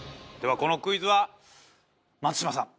このクイズは松島さん